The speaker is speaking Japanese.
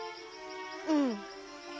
うん。